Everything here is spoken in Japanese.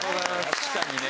確かにね